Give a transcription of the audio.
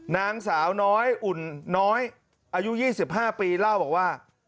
นางสาวน้อยอุ่นน้อยอายุ๒๕ปีเล่าบอกว่า